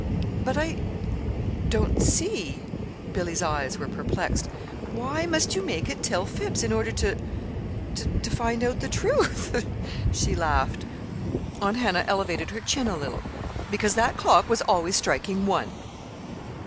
"But I don't see." Billy's eyes were perplexed. "Why must you make it tell fibs in order to to find out the truth?" she laughed. Aunt Hannah elevated her chin a little. "Because that clock was always striking one."